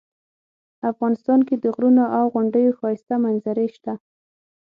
افغانستان کې د غرونو او غونډیو ښایسته منظرې شته